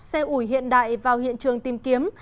xe ủi hiện đại vào hiện trường tìm kiếm